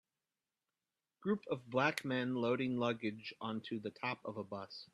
Group of black men loading luggage onto the top of a bus